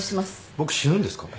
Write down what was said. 僕死ぬんですか？